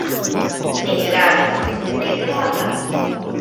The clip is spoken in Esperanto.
Ne gravis. Ne gravas.